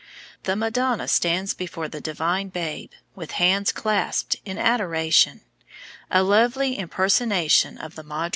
The Madonna stands before the Divine Babe, with hands clasped in adoration, a lovely impersonation of the Madre Pia.